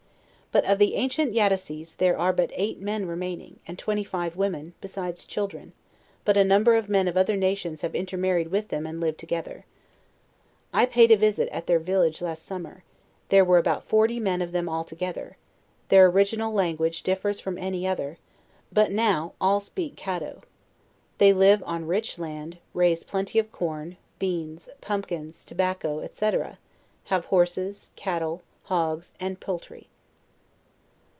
But of the ancient Yattassees there are but eight men re maining, and twenty five women, besides children; but a numbor of men of other nations have intermarried with them and live together. I paid a visit at their village last sum mer; there were about forty men of them altogether: their original language differs from any other; but now, all speak 144 JOURNAL OF Caddo. They live on rich land, raise plenty of corn, beans, pumpkins, tobacco, &c. have horses, cattle, hogs and poul try.